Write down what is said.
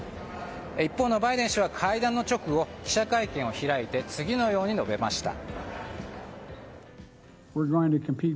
一方のバイデン氏は会談の直後記者会見を開いて次のように述べました。